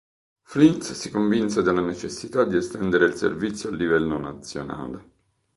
Flynn si convinse della necessità di estendere il servizio a livello nazionale.